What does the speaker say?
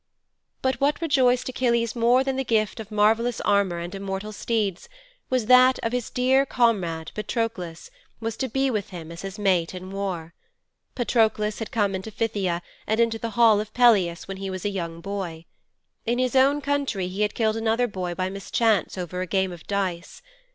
'But what rejoiced Achilles more than the gift of marvellous armour and immortal steeds was that his dear comrade, Patroklos, was to be with him as his mate in war. Patroklos had come into Phthia and into the hall of Peleus when he was a young boy. In his own country he had killed another boy by mischance over a game of dice.